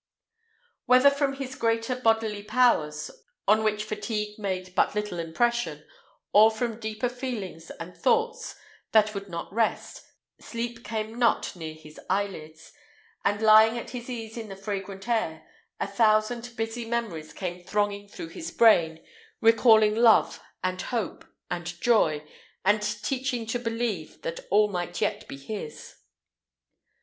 Whether from his greater bodily powers, on which fatigue made but slight impression, or from deeper feelings and thoughts that would not rest, sleep came not near his eyelids; and, lying at his ease in the fragrant air, a thousand busy memories came thronging through his brain, recalling love, and hope, and joy, and teaching to believe that all might yet be his.